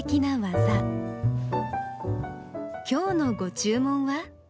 今日のご注文は？